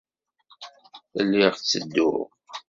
Lliɣ ttedduɣ.